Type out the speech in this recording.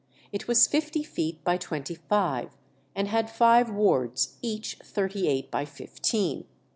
It was fifty feet by twenty five, and had five wards each thirty eight by fifteen.